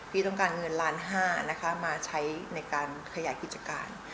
พี่ต้องการเงินล้านห้านะคะมาใช้ในการขยายกิจการ